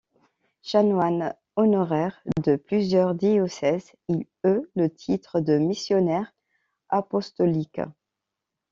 Chanoine honoraire de plusieurs diocèses, il eut le titre de missionnaire apostolique.